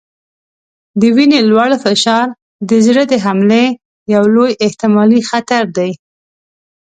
د وینې لوړ فشار د زړه د حملې یو لوی احتمالي خطر دی.